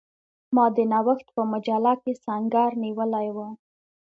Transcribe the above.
ما د نوښت په مجله کې سنګر نیولی وو.